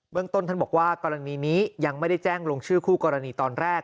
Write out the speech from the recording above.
ต้นท่านบอกว่ากรณีนี้ยังไม่ได้แจ้งลงชื่อคู่กรณีตอนแรก